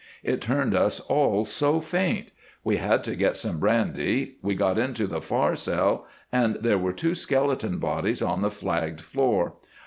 It turned us all so faint. We had to get some brandy. We got into the far cell, and there were two skeleton bodies on the flagged floor.